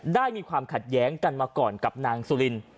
ได้มีความขัดแหงกันมาก่อนกับนางโซลิน